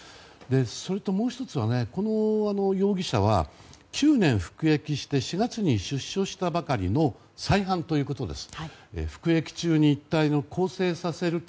それと、もう１つはこの容疑者は９年服役して４月に出所したばかりの再犯ということです。